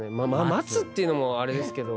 待つっていうのもあれですけど。